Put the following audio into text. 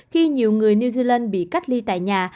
khi nhiều người new zealand bị cách ly tại nhà